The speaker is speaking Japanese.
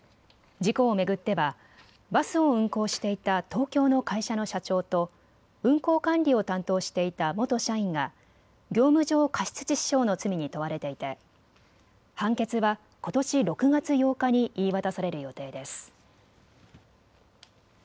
事故を巡ってはバスを運行していた東京の会社の社長と運行管理を担当していた元社員が業務上過失致死傷の罪に問われていて判決はことし６月８日に言い渡される予定です。